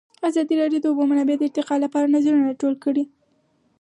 ازادي راډیو د د اوبو منابع د ارتقا لپاره نظرونه راټول کړي.